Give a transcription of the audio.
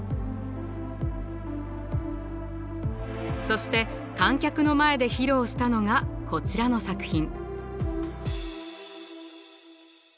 そして観客の前で披露したのがこちらの作品。